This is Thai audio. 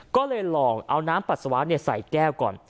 ก็เลยลองเอาน้ำปัสสาวะใส่แก้วก่อน